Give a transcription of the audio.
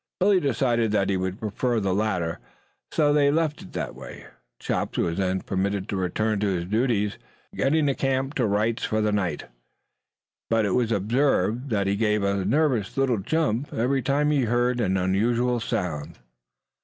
Billy decided that he would prefer the latter, so they left it that way. Chops was then permitted to return to his duties, getting the camp to rights for the night, but it was observed that he gave a nervous little jump every time he heard an unusual sound.